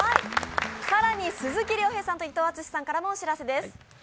更に鈴木亮平さんと伊藤淳史さんからもお知らせです。